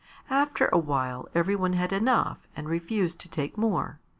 After a while every one had enough and refused to take more.